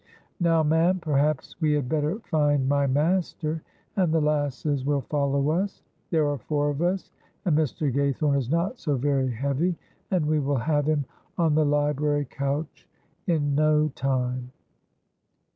"Now, ma'am, perhaps we had better find my master, and the lasses will follow us. There are four of us, and Mr. Gaythorne is not so very heavy, and we will have him on the library couch in no time."